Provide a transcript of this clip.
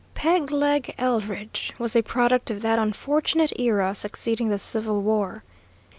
Peg Leg Eldridge was a product of that unfortunate era succeeding the civil war.